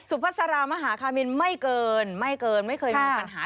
พัสรามหาคามินไม่เกินไม่เกินไม่เคยมีปัญหา